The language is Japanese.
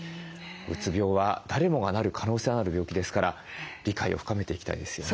うつ病は誰もがなる可能性がある病気ですから理解を深めていきたいですよね。